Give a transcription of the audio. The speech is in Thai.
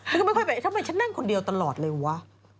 ฉันก็ไม่ค่อยไปทำไมฉันนั่งคนเดียวตลอดเลยวะ